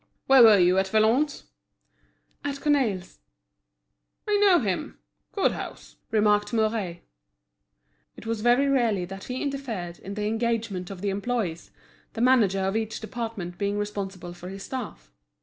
"Where were you at Valognes?" "At Cornaille's." "I know him—good house," remarked Mouret. It was very rarely that he interfered in the engagement of the employees, the manager of each department being responsible for his staff.